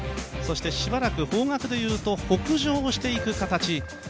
そしてしばらく方角でいうと北上していく形。